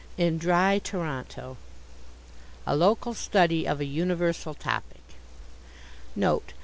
In Dry Toronto A LOCAL STUDY OF A UNIVERSAL TOPIC Note.